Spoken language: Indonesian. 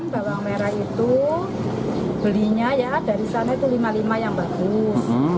bawang merah itu belinya ya dari sana itu lima puluh lima yang bagus